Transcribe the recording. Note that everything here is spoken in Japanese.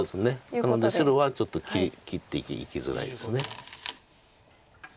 なので白はちょっと切っていきづらいです。